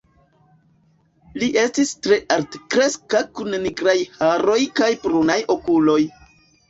Li estis tre altkreska kun nigraj haroj kaj brunaj okuloj.